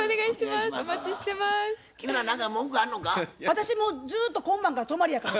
私もうずっと今晩から泊まりやから。